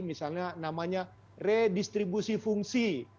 misalnya namanya redistribusi fungsi